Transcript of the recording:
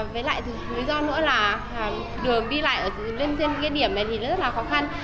với lại lý do nữa là đường đi lại ở trên địa điểm này thì rất là khó khăn